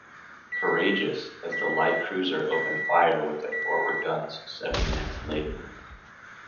"Courageous" and the light cruiser opened fire with their forward guns seven minutes later.